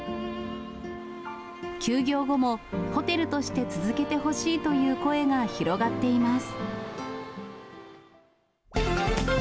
休業後もホテルとして続けてほしいという声が広がっています。